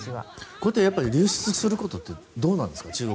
これって流出することはどうなんですか？